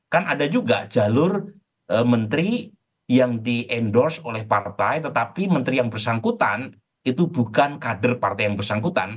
kan ada juga jalur menteri yang di endorse oleh partai tetapi menteri yang bersangkutan itu bukan kader partai yang bersangkutan